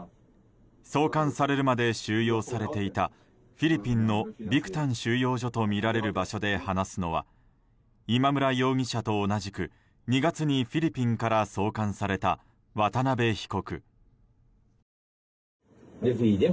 送還されるまで収容されていたフィリピンのビクタン収容所とみられる場所で話すのは今村容疑者と同じく２月にフィリピンから送還された渡邉被告。